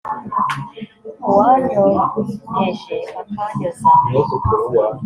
uwanyonkeje akanyoza